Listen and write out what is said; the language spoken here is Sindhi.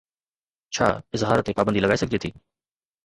ڇا اظهار تي پابندي لڳائي سگهجي ٿي؟